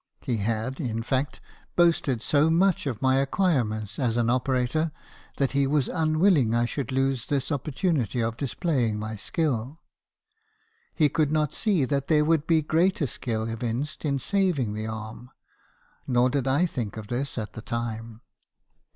He had, in fact, boasted so much of my acquirements as an operator, that he was unwilling I should lose this opportunity of displaying my skill. He could not see that there would be greater skill evinced in saving the arm; nor did I think of this at the time.